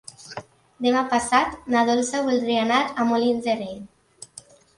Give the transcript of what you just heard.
Demà passat na Dolça voldria anar a Molins de Rei.